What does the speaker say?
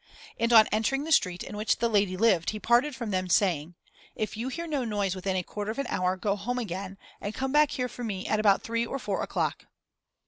And on entering the street in which the lady lived, he parted from them, saying "If you hear no noise within a quarter of an hour, go home again, and come back here for me at about three or four o'clock."